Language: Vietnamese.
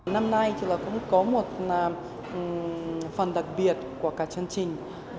năm nay thì là cũng có một phần đặc biệt của cả chương trình